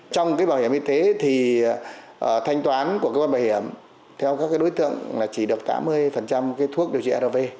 trong cái bảo hiểm y tế thì thanh toán của cơ quan bảo hiểm theo các đối tượng là chỉ được tám mươi thuốc điều trị rv